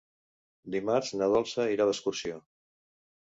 Dimarts na Dolça irà d'excursió.